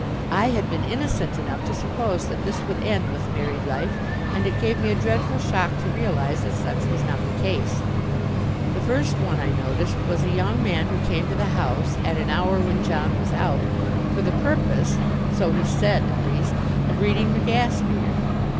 I had been innocent enough to suppose that this would end with married life, and it gave me a dreadful shock to realize that such was not the case. The first one I noticed was a young man who came to the house, at an hour when John was out, for the purpose, so he said at least, of reading the gas meter.